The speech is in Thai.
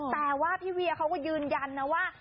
แต่ว่าพี่เวียเขาก็ยืนยันนะว่า